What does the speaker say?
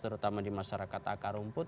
terutama di masyarakat akar rumput